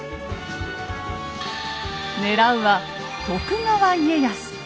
狙うは徳川家康。